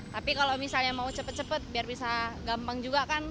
tapi kalau misalnya mau cepet cepet biar bisa gampang juga kan